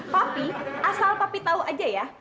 papi asal papi tau aja ya